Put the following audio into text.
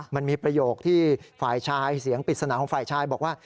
มันมีประโยคที่ฝ่ายชายเสียงปริศนาของฝ่ายชายบอกว่า